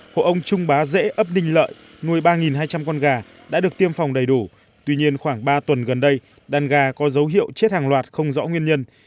hộ ông trung bá dễ ấp ninh lợi nuôi ba hai trăm linh con gà đã được tiêm phòng đầy đủ tuy nhiên khoảng ba tuần gần đây đàn gà có dấu hiệu chết hàng loạt không rõ nguyên nhân